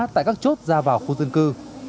tại các chốt ra vào khu dân cư